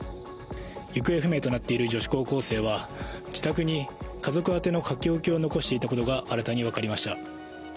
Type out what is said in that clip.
行方不明となっている女子高校生は自宅に家族宛の書き置きを残していたことが新たに分かりました。